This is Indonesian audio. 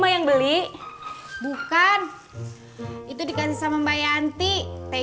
uang dede maksudnya segitu